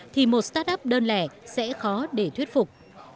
thì một start up đơn lẻ sẽ khó để thuyết phục